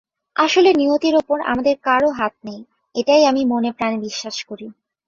আসলে নিয়তির ওপর আমাদের কারও হাত নেই, এটাই আমি মনে-প্রাণে বিশ্বাস করি।